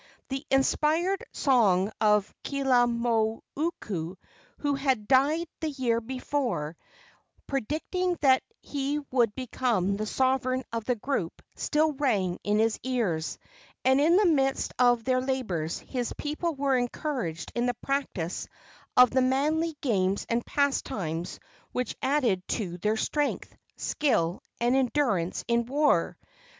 The inspired song of Keaulumoku, who had died the year before, predicting that he would become the sovereign of the group, still rang in his ears, and in the midst of their labors his people were encouraged in the practice of the manly games and pastimes which added to their strength, skill and endurance in war.